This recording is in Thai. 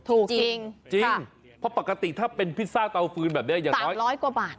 ถูกจริงจริงเพราะปกติถ้าเป็นพิซซ่าเตาฟืนแบบนี้อย่างน้อยร้อยกว่าบาท